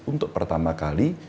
untuk pertama kali